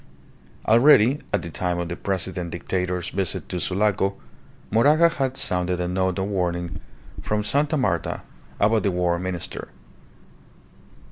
Already, at the time of the President Dictator's visit to Sulaco, Moraga had sounded a note of warning from Sta. Marta about the War Minister.